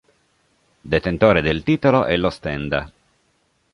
Detentore del titolo è l'Ostenda.